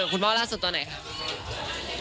คุณพ่อล่าสุดตอนไหนครับ